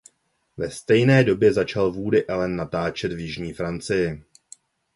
Ve stejné době začal Woody Allen natáčet v jižní Francii.